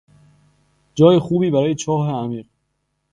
جای خوبی برای چاه عمیق